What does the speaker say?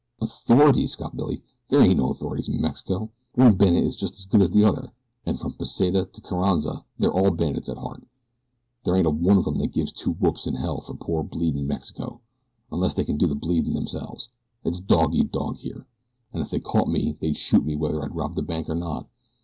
"Authorities!" scoffed Billy. "There ain't no authorities in Mexico. One bandit is just as good as another, and from Pesita to Carranza they're all bandits at heart. They ain't a one of 'em that gives two whoops in hell for poor, bleedin' Mexico unless they can do the bleedin' themselves. It's dog eat dog here. If they caught me they'd shoot me whether I'd robbed their bank or not.